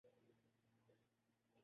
امریکہ کو جواب تحمل سے دینا چاہیے۔